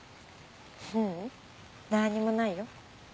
ううん何にもないよ。